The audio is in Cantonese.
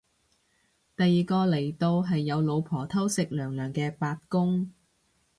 第二個嚟到係有老婆偷食娘娘嘅八公